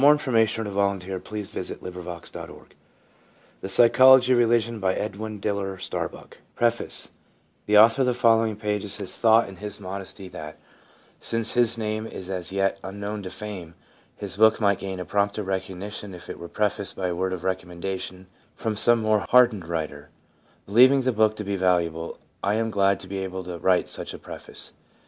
1_ 1 MY WIFE WITHOUT WHOSE HELP AND ENCOURAGEMENT THIS STUDY COULD NOT HAVE BEEN PREPARED PREFACE The author of the following pages has thought in his modesty that, since his name is as yet unknown to fame, his book might gain a prompter recognition if it were prefaced by a word of recommendation from some more hardened writer. Believing the book to be valuable, I am glad to be able to write such a preface.